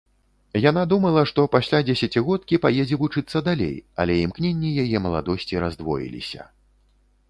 Яна думала, што пасля дзесяцігодкі паедзе вучыцца далей, але імкненні яе маладосці раздвоіліся.